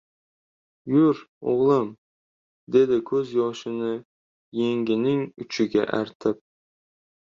— Yur, o‘g‘lim, — dedi ko‘z yoshini yengining uchiga artib.